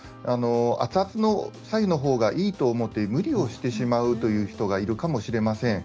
熱々の白湯の方がいいと思って無理をしてしまうという人がいるかもしれません。